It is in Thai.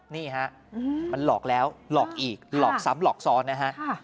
นี่ฮะมันหลอกแล้วหลอกอีกหลอกซ้ำหลอกซ้อนนะฮะ